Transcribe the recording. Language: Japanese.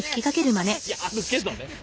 いやあるけどね。